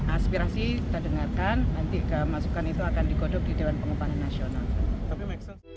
aspirasi kita dengarkan nanti kemasukan itu akan digodok di dewan pengepana nasional